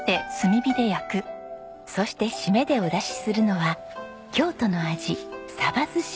そして締めでお出しするのは京都の味鯖寿し。